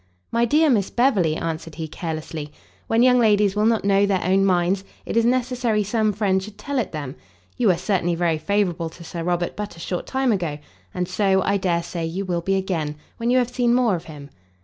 "My dear Miss Beverley," answered he, carelessly, "when young ladies will not know their own minds, it is necessary some friend should tell it them: you were certainly very favourable to Sir Robert but a short time ago, and so, I dare say, you will be again, when you have seen more of him."